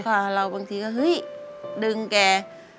ค่ะเราบางทีก็เฮ้ยดึงแก